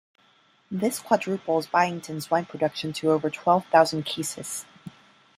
This quadruples Byington's wine production to over twelve thousand cases.